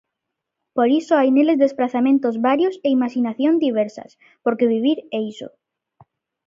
Por iso hai neles desprazamentos varios e imaxinacións diversas, porque vivir é iso: